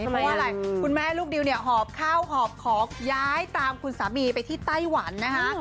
เพราะว่าอะไรคุณแม่ลูกดิวเนี่ยหอบข้าวหอบของย้ายตามคุณสามีไปที่ไต้หวันนะคะ